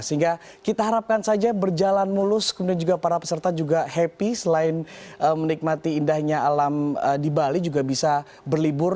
sehingga kita harapkan saja berjalan mulus kemudian juga para peserta juga happy selain menikmati indahnya alam di bali juga bisa berlibur